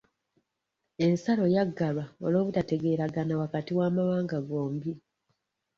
Ensalo yaggalwa olw'obutategeeragana wakati w'amawanga gombi.